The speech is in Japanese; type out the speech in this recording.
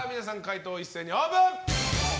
一斉にオープン！